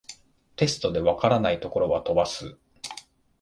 テストで解らないところは飛ばす